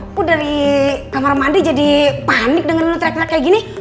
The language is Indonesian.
aku dari kamar mandi jadi panik denger lo terlak terlak kayak gini